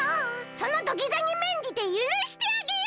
その土下座にめんじてゆるしてあげよう！